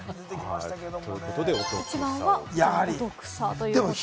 一番はお得さということです。